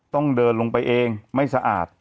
ต้องเดินลงไปเองไม่สะอาด